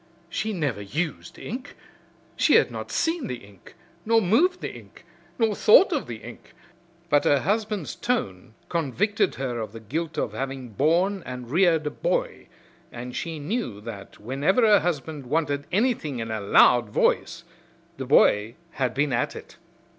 She never used ink. She had not seen the ink, nor moved the ink, nor thought of the ink, but her husband's tone convicted her of the guilt of having borne and reared a boy, and she knew that whenever her husband wanted anything in a loud voice the boy had been at it.